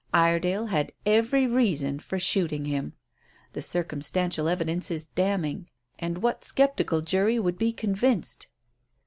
Iredale had every reason for shooting him. The circumstantial evidence is damning. The most sceptical jury would be convinced."